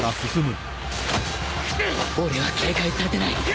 俺は警戒されてない。